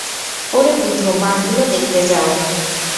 ওরে বুদ্ধু, মাছগুলো দেখতে যাও।